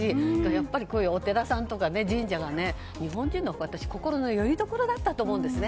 やっぱりこういうお寺さんとか神社は日本人の心のよりどころだったと思うんですね。